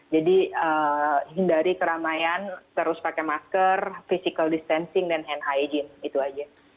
jadi hindari keramaian terus pakai masker physical distancing dan hand hygiene itu aja